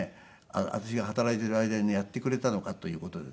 私が働いている間にねやってくれていたのかという事でね